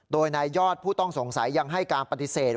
โดยนายยอดผู้ต้องสงสัยยังให้การปฏิเสธ